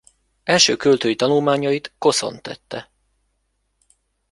Első költői tanulmányait Koszon tette.